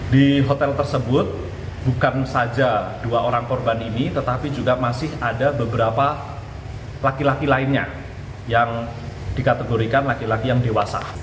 di hotel tersebut bukan saja dua orang korban ini tetapi juga masih ada beberapa laki laki lainnya yang dikategorikan laki laki yang dewasa